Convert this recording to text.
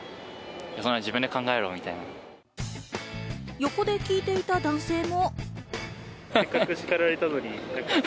横で聞いていた男性も。